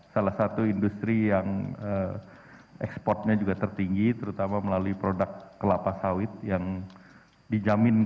salah satu industri yang ekspornya juga tertinggi terutama melalui produk kelapa sawit yang dijamin